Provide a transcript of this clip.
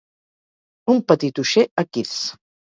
Un petit uixer a Keith's.